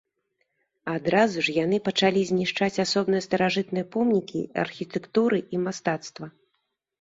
Адразу ж яны пачалі знішчаць асобныя старажытныя помнікі архітэктуры і мастацтва.